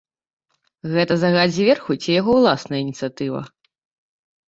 Гэта загад зверху ці яго ўласная ініцыятыва?